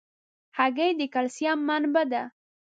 هګۍ د کلسیم منبع ده.